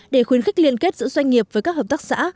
để khuyến khích liên kết giữa doanh nghiệp với các hợp tác xã